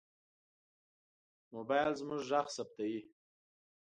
موبایل زموږ غږ ثبتوي.